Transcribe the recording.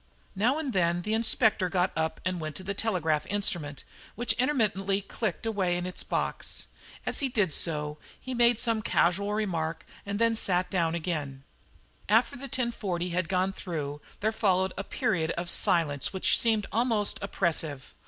Now and then the Inspector got up and went to the telegraph instrument, which intermittently clicked away in its box. As he did so he made some casual remark and then sat down again. After the 10.40 had gone through, there followed a period of silence which seemed almost oppressive.